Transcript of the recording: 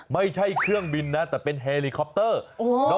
ไม่ใช่เครื่องบินนะแต่เป็นเฮลีคอปเตอร์